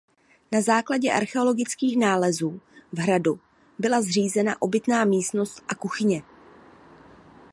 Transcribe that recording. Na základě archeologických nálezů v hradu byla zřízena obytná místnost a kuchyně.